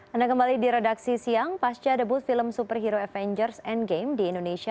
anda kembali di redaksi siang pasca debu film superhero avengers endgame di indonesia